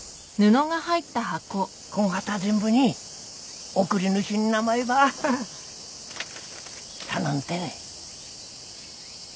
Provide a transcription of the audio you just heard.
こん旗全部に送り主ん名前ば頼んてね。